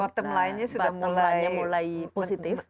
bottom line nya sudah mulai positif